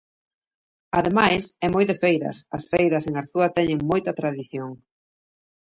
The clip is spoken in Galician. Ademais é moi de feiras, as feiras en Arzúa teñen moita tradición.